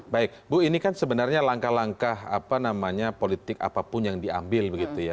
baik bu ini kan sebenarnya langkah langkah politik apapun yang diambil